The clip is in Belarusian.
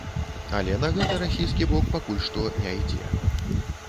Але на гэта расійскі бок пакуль што не ідзе.